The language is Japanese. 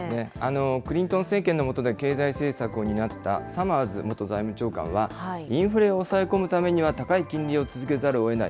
クリントン政権の下で経済政策を担ったサマーズ元財務長官は、インフレを抑え込むためには高い金利を続けざるをえない。